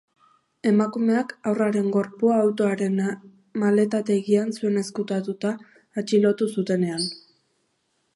Emakumeak haurraren gorpua autoaren maletategian zuen ezkutatua, atxilotu zutenean.